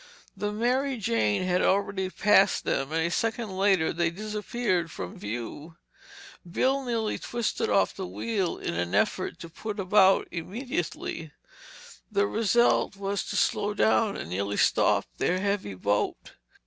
The Mary Jane had already passed them and a second later they disappeared from view. Bill nearly twisted off the wheel in an effort to put about immediately. The result was to slow down and nearly stop their heavy boat.